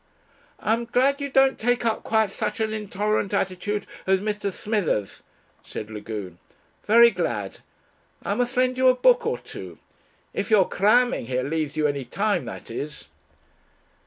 "I'm glad you don't take up quite such an intolerant attitude as Mr. Smithers," said Lagune; "very glad. I must lend you a book or two. If your cramming here leaves you any time, that is."